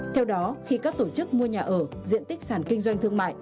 theo đó khi các tổ chức mua nhà ở diện tích sản kinh doanh thương mại